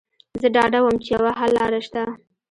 زه ډاډه وم چې یوه حل لاره شته